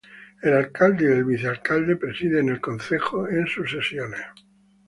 El alcalde y el vicealcalde presiden el concejo en sus sesiones.